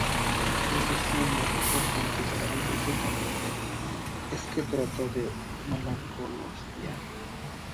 La sección más importante de la biblioteca es la que trata de Malacología.